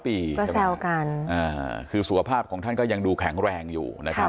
แต่การคือสุวภาพของท่านก็ยังดูแข็งแรงอยู่